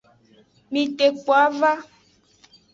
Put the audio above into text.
Mitekpo ava.